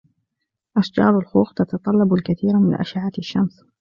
أشجار الخوخ تتطلب الكثير من أشعة الشمس.